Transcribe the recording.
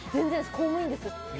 公務員です